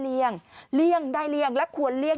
กินให้ดูเลยค่ะว่ามันปลอดภัย